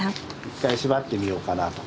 一回縛ってみようかなと。